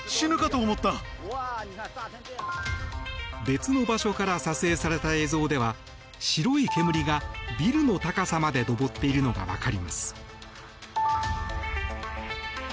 別の場所から撮影された映像では白い煙がビルの高さまで上っているのが分かります。